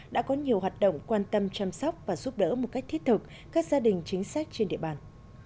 đã có nhiều hoạt động quan tâm chăm sóc và giúp đỡ một cách thiết thực các gia đình chính xác trên địa bàn